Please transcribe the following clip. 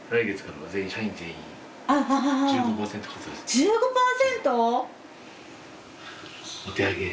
１５％！？